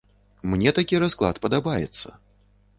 Мне такі расклад падабаецца.